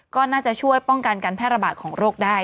ก็น่าจะช่วยป้องกันการแพร่ระบาดของโรคได้